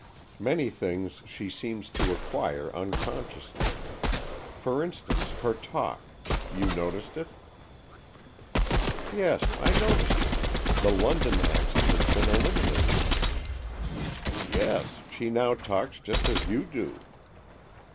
Many things she seems to 74 AN EXCHANGE OF SOULS acquire unconsciously. For instance, her talk — you noticed it?" "Yes, I noticed it. The London accent has been eliminated." " Yes, she now talks just as you do."